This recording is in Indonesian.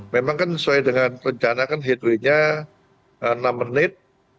memang kan sesuai dengan rencana kan headway nya enam menit